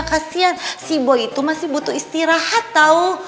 kasian si boy itu masih butuh istirahat tau